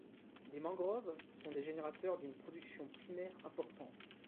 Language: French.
Les mangroves sont des générateurs d'une production primaire importante.